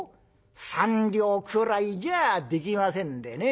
３両くらいじゃできませんでね。